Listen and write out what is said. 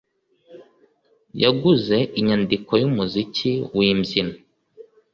Yaguze inyandiko yumuziki wimbyino